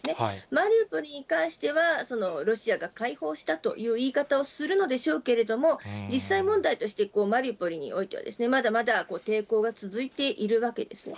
マリウポリに関しては、ロシアが解放したという言い方をするのでしょうけれども、実際問題として、マリウポリにおいてはまだまだ抵抗が続いているわけですね。